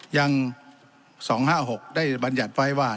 อย่าง๒๕๖ได้บรรยัติไว้ว่า